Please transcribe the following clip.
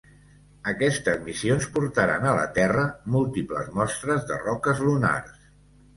Aquestes missions portaren a la Terra múltiples mostres de roques lunars.